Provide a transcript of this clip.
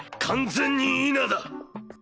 完全に否だ！